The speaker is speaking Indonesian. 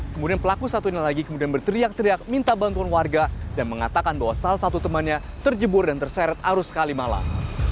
kemudian pelaku satunya lagi kemudian berteriak teriak minta bantuan warga dan mengatakan bahwa salah satu temannya terjebur dan terseret arus kalimalang